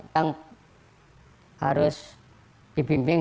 yang harus dibimbing